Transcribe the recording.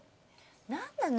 何なの？